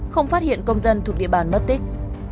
không phát hiện công dân thuộc địa bàn mất tích